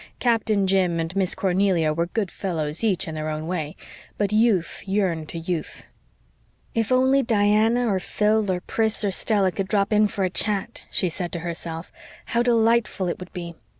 Captain Jim and Miss Cornelia were "good fellows" each, in their own way; but youth yearned to youth. "If only Diana or Phil or Pris or Stella could drop in for a chat," she said to herself, "how delightful it would be!